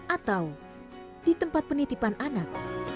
atau di tempat penitipan anak